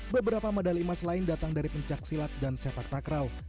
beberapa medali emas lain datang dari pencaksilat dan sepak takraw